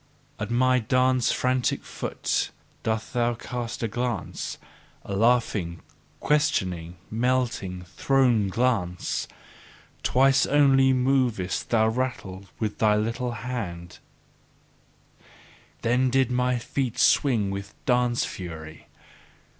At my dance frantic foot, dost thou cast a glance, a laughing, questioning, melting, thrown glance: Twice only movedst thou thy rattle with thy little hands then did my feet swing with dance fury.